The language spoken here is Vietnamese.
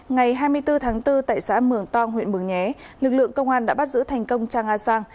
ngày hai mươi bốn tháng bốn tại xã mường tong huyện mường nhé lực lượng công an đã bắt giữ thành công trang a sang